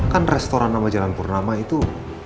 kan restoran sama jalan purnama itu